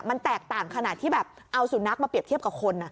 มันแตกต่างขนาดที่แบบเอาสุนัขมาเปรียบเทียบกับคน